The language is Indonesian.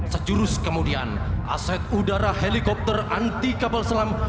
sejurus kemudian aset udara helikopter anti kapal selam